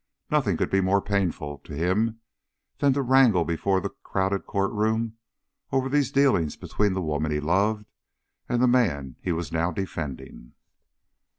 Nothing could be more painful to him than to wrangle before the crowded court room over these dealings between the woman he loved and the man he was now defending.